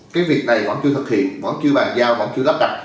cái việc này vẫn chưa thực hiện vẫn chưa bàn giao hoặc chưa lắp đặt